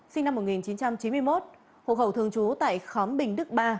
sinh năm một nghìn chín trăm chín mươi một hộ khẩu thường trú tại khóm bình đức ba